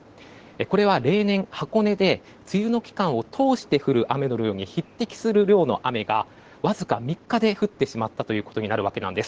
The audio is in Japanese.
これは例年、箱根で梅雨の期間を通して降る雨の量に匹敵する量の雨がわずか３日で降ってしまったということになるわけです。